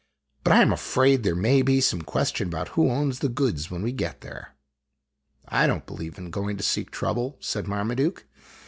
" But I am afraid there may be some question about who owns the goods when we get there." " I don't believe in p oino to seek trouble," said Marmaduke.